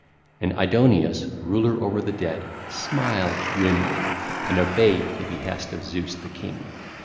And Aidoneus, ruler over the dead, smiled grimly and obeyed the behest of Zeus the king.